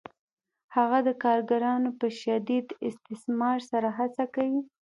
هغه د کارګرانو په شدید استثمار سره هڅه کوي